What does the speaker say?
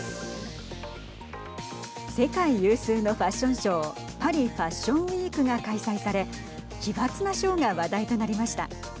世界有数のファッションショーパリ・ファッションウイークが開催され奇抜なショーが話題となりました。